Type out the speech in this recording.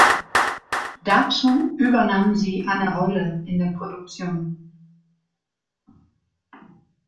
Dazu übernahm sie eine Rolle in der Produktion.